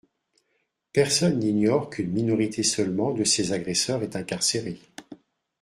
Personne n’ignore qu’une minorité seulement de ces agresseurs est incarcérée.